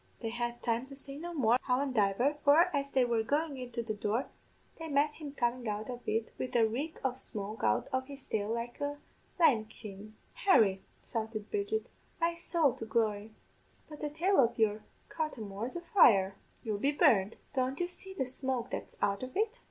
They had time to say no more, howandiver, for, as they were goin' into the door, they met him comin' out of it wid a reek of smoke out of his tail like a lime kiln. "'Harry,' shouted Bridget, 'my sowl to glory, but the tail of your cothamore's a fire you'll be burned. Don't you see the smoke that's out of it?'